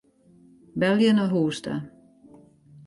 Belje nei hûs ta.